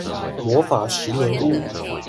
魔法十年屋